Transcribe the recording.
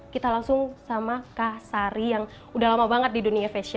kita langsung sama kak sari yang udah lama banget di dunia fashion